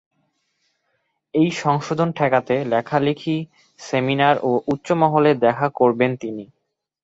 এই সংশোধন ঠেকাতে লেখালেখি, সেমিনার ও উচ্চ মহলে দেখা করবেন তিনি।